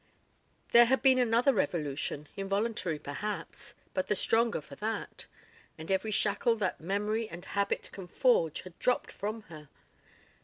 There had been another revolution, involuntary perhaps, but the stronger for that; and every shackle that memory and habit can forge had dropped from her.